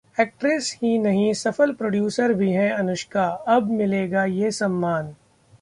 actress ही नहीं सफल प्रोड्यूसर भी हैं अनुष्का, अब मिलेगा ये सम्मान